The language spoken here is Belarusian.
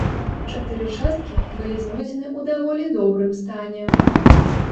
Чатыры часткі былі знойдзены ў даволі добрым стане.